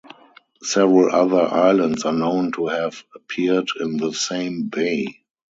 Several other islands are known to have appeared in the same bay.